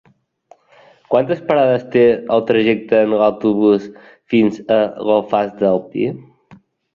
Quantes parades té el trajecte en autobús fins a l'Alfàs del Pi?